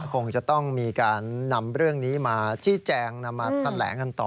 คงจะต้องมีการนำเรื่องนี้มาชี้แจงนำมาแถลงกันต่อ